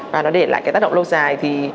và nó để lại cái tác động lâu dài